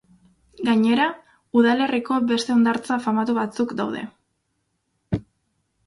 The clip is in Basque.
Gainera, udalerriko beste hondartza famatu batzuk daude.